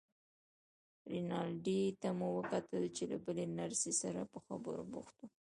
رینالډي ته مو وکتل چې له بلې نرسې سره په خبرو بوخت و.